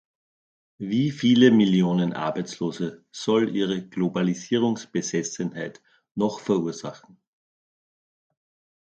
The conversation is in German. Wie viele Millionen Arbeitslose soll Ihre Globalisierungsbesessenheit noch verursachen?